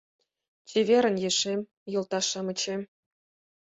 Чеверын, ешем, йолташ-шамычем